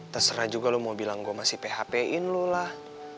terserah juga lo mau bilang gue masih php in lo lah